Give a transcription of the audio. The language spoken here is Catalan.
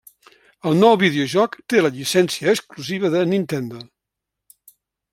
El nou videojoc té la llicència exclusiva de Nintendo.